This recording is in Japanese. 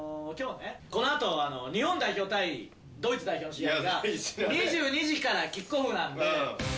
このあと日本代表対ドイツ代表の試合が２２時からキックオフなので。